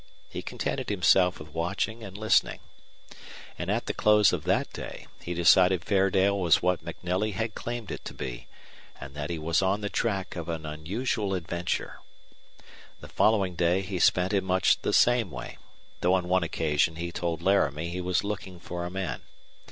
He contented himself with watching and listening. And at the close of that day he decided Fairdale was what MacNelly had claimed it to be, and that he was on the track of an unusual adventure. The following day he spent in much the same way, though on one occasion he told Laramie he was looking for a man.